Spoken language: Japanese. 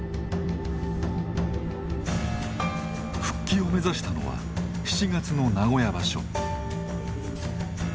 復帰を目指したのは７月の名古屋場所。